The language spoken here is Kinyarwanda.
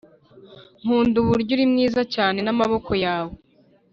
nkunda uburyo uri mwiza cyane n'amaboko yawe